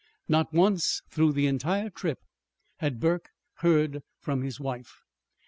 Not once, through the entire trip, had Burke heard from his wife.